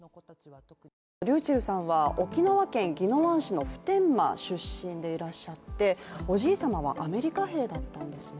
ｒｙｕｃｈｅｌｌさんは沖縄県宜野湾市の普天間出身でいらっしゃって、おじい様はアメリカ兵だったんですね。